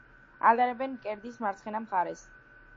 ატარებენ მკერდის მარცხენა მხარეს.